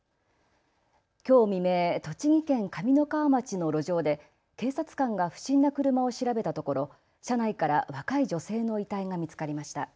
きょう未明、栃木県上三川町の路上で警察官が不審な車を調べたところ車内から若い女性の遺体が見つかりました。